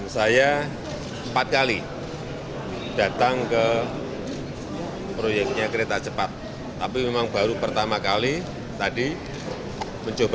saya empat kali datang ke proyeknya kereta cepat tapi memang baru pertama kali tadi mencoba